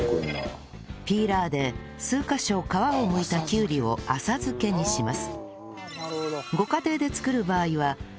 ピーラーで数カ所皮をむいたきゅうりを浅漬けにします